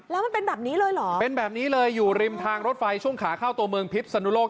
แล้วมันเป็นแบบนี้เลยเหรอเป็นแบบนี้เลยอยู่ริมทางรถไฟช่วงขาเข้าตัวเมืองพิษสนุโลก